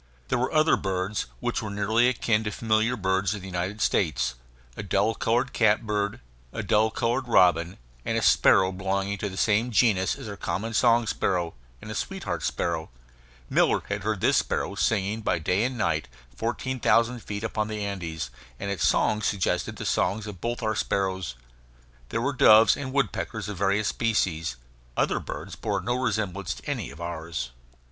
There were other birds which were nearly akin to familiar birds of the United States: a dull colored catbird, a dull colored robin, and a sparrow belonging to the same genus as our common song sparrow and sweetheart sparrow; Miller had heard this sparrow singing by day and night, fourteen thousand feet up on the Andes, and its song suggested the songs of both of our sparrows. There were doves and woodpeckers of various species. Other birds bore no resemblance to any of ours.